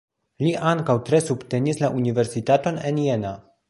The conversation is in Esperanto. Li ankaŭ tre subtenis la Universitaton en Jena.